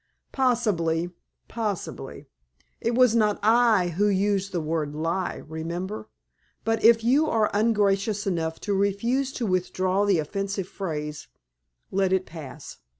"Possibly. Possibly. It was not I who used the word 'lie,' remember. But if you are ungracious enough to refuse to withdraw the offensive phrase, let it pass.